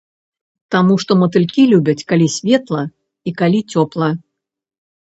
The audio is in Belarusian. Таму што матылькі любяць, калі светла і калі цёпла.